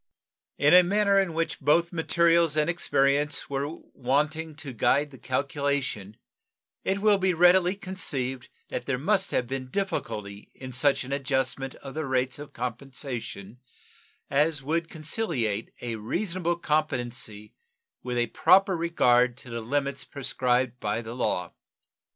In a manner in which both materials and experience were wanting to guide the calculation it will be readily conceived that there must have been difficulty in such an adjustment of the rates of compensation as would conciliate a reasonable competency with a proper regard to the limits prescribed by the law.